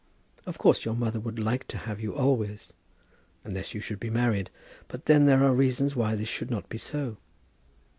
Of course your mother would like to have you always; unless you should be married, but then there are reasons why this should not be so."